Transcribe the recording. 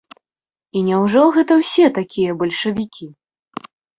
І няўжо гэта ўсе такія бальшавікі?